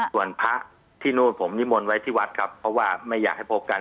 ส่วนพระที่นู่นผมนิมนต์ไว้ที่วัดครับเพราะว่าไม่อยากให้พบกัน